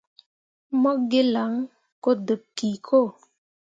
Mo gǝlaŋ to deb ki ko.